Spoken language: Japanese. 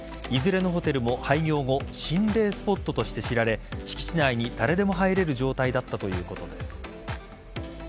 いずれのホテルも廃業後心霊スポットとして知られ敷地内に誰でも入れる状態だったということです。